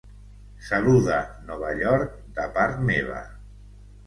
Saluda Nova York de part meva.